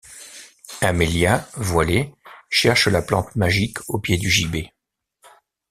Amelia, voilée, cherche la plante magique au pied du gibet.